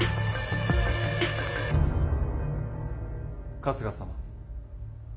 ・春日様。